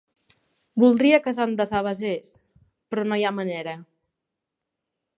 Voldria que se'n desavesés, però no hi ha manera.